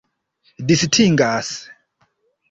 distingas